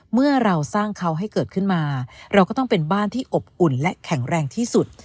เมื่อเราสร้างเขาให้เกิดขึ้นมาเราก็ต้องเป็นบ้านที่อบอุ่นและแข็งแรงที่สุด